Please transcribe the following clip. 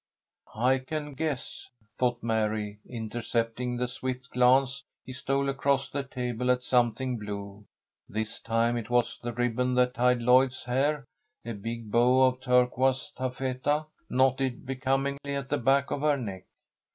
"I can guess," thought Mary, intercepting the swift glance he stole across the table at something blue. This time it was the ribbon that tied Lloyd's hair, a big bow of turquoise taffeta, knotted becomingly at the back of her neck.